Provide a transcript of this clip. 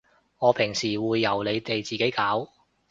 我平時會由你哋自己搞掂